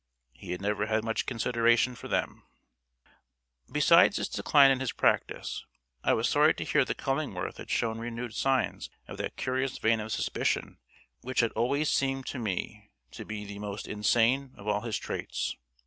He had never had much consideration for them. Besides this decline in his practice, I was sorry to hear that Cullingworth had shown renewed signs of that curious vein of suspicion which had always seemed to me to be the most insane of all his traits.